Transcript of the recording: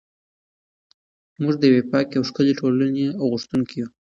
موږ د یوې پاکې او ښکلې ټولنې غوښتونکي یو.